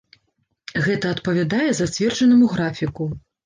Гэта адпавядае зацверджанаму графіку.